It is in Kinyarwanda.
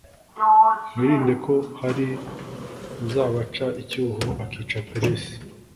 mwirinde ko hari uzabaca icyuho akica peresi.